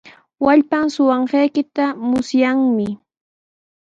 Wallpan suqanqaykita musyanmi.